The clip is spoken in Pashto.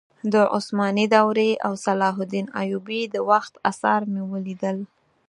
د عثماني دورې او صلاح الدین ایوبي د وخت اثار مې ولیدل.